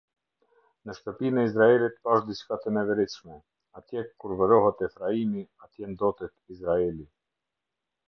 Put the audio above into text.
Në shtëpinë e Izraelit pashë diçka të neveritshme: atje kurvërohet Efraimi, atje ndotet Izraeli.